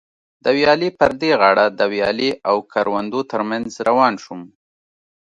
د ویالې پر دې غاړه د ویالې او کروندو تر منځ روان شوم.